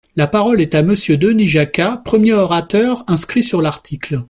La parole est à Monsieur Denis Jacquat, premier orateur inscrit sur l’article.